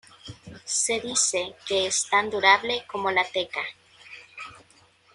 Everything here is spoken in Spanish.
Se dice que es tan durable como la teca.